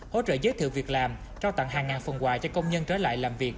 hỗ trợ giới thiệu việc làm trao tặng hàng ngàn phần quà cho công nhân trở lại làm việc